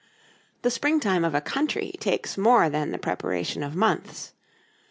The springtime of a country takes more than the preparation of months.